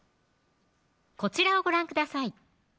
こちらをご覧ください